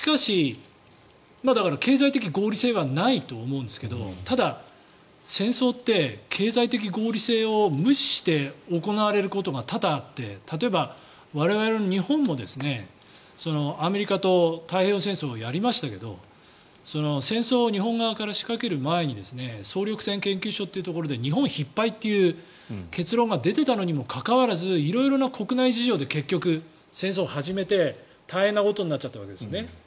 だから、経済的な合理性はないと思うんですがただ、戦争って経済的合理性を無視して行われることが多々あって例えば我々の日本もアメリカと太平洋戦争をやりましたが戦争を日本側から仕掛ける前に総力戦研究所というところで日本必敗という結論が出てたのにもかかわらず色々な国内事情で結局、戦争を始めて大変なことになっちゃったわけですよね。